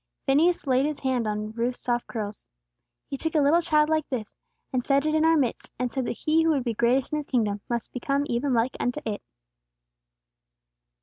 Phineas laid his hand on Ruth's soft curls. "He took a little child like this, and set it in our midst, and said that he who would be greatest in His kingdom, must become even like unto it!"